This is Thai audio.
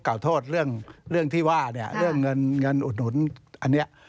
ข่าวทอดเรื่องที่ว่าเรื่องเงินอุดอันเนี่ย